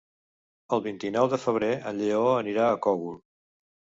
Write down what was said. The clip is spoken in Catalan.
El vint-i-nou de febrer en Lleó anirà al Cogul.